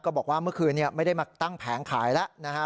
บอกว่าเมื่อคืนไม่ได้มาตั้งแผงขายแล้วนะฮะ